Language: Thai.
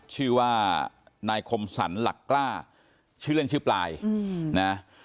ชื่อว่านายคมสรรหลักกล้าชื่อเล่นชื่อปลายนะ